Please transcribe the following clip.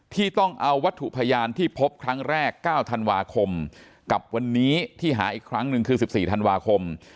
ที่ต้องเอาวัตถุพยานที่พบครั้งแรก๙ธันวาคมกับวันนี้ที่หาอีกครั้งหนึ่งคือ๑๔ธันวาคม